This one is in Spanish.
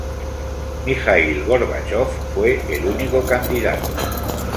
Mijaíl Gorbachov fue el único candidato.